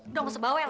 udah nggak usah bawel